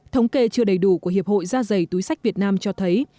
thống kê chưa đầy đủ của hiệp hội da dày túi sách việt nam cho thấy